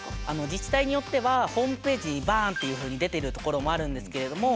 自治体によってはホームページにバーンっていうふうに出てるところもあるんですけれども。